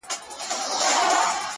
اوس دي لا د حسن مرحله راغلې نه ده-